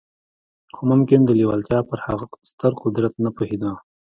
خو ممکن د لېوالتیا پر هغه ستر قدرت نه پوهېده